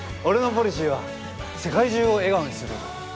俺のポリシーは世界中を笑顔にする事。